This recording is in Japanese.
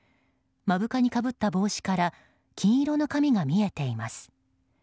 目深にかぶった帽子から金色の髪が見えています。